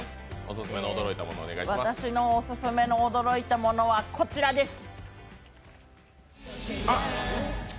私のオススメの驚いたものはこちらです。